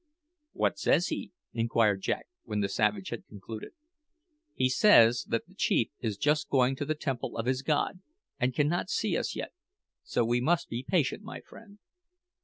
"What says he?" inquired Jack when the savage had concluded. "He says that the chief is just going to the temple of his god, and cannot see us yet; so we must be patient, my friend."